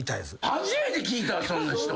初めて聞いたそんな人。